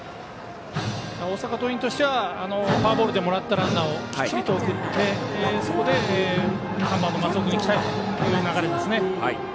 大阪桐蔭としてはフォアボールでもらったランナーをきっちりと送ってそこで松尾君に期待という流れですね。